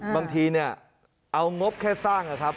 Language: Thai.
บางทีเนี่ยเอางบแค่สร้างนะครับ